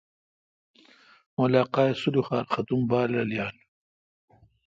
اوں علاقہ سلخار ختم بال رل یال۔